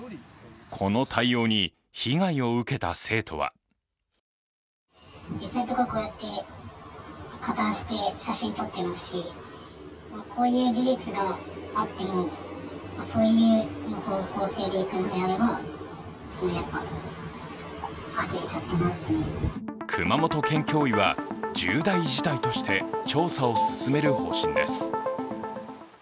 この対応に被害を受けた生徒は熊本県教委は重大事態として調査を進める方針です。